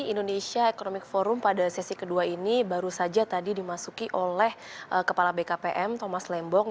indonesia economic forum pada sesi kedua ini baru saja tadi dimasuki oleh kepala bkpm thomas lembong